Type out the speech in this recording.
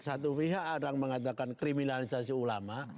satu pihak orang mengatakan kriminalisasi ulama